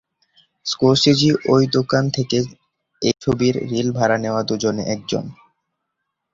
Scorsese ঐ দোকান থেকে এই ছবির রিল ভাড়া নেওয়া দু'জনে একজন।